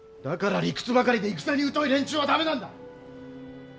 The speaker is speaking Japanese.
だから理屈ばかりで戦にうとい連中はダメなんだ！